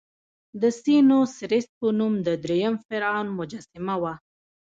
د سینوسریت په نوم د دریم فرعون مجسمه وه.